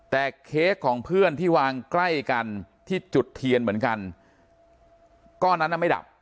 แต่เค้กของเพื่อนที่วางใกล้กันที่จุดเทียนเหมือนกันก้อนนั้นน่ะไม่ดับ